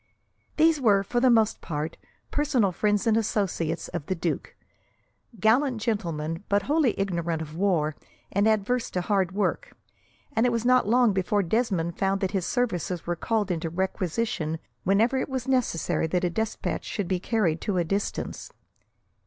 These were, for the most part, personal friends and associates of the duke; gallant gentlemen, but wholly ignorant of war, and adverse to hard work, and it was not long before Desmond found that his services were called into requisition whenever it was necessary that a despatch should be carried to a distance.